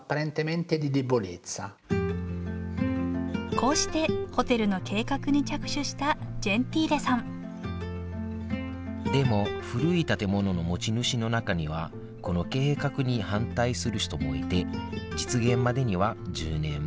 こうしてホテルの計画に着手したジェンティーレさんでも古い建物の持ち主の中にはこの計画に反対する人もいて実現までには１０年もかかったそうだよ